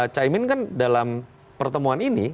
caimin kan dalam pertemuan ini